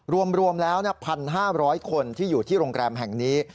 รวมแล้ว๑๕๐๐คนที่อยู่ที่โรงแรมแห่งนี้